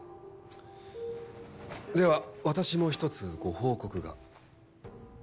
では私も一つご報告が。